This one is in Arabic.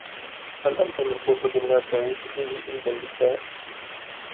هل أنت من كوكب لا تعيش فيه إلا النساء ؟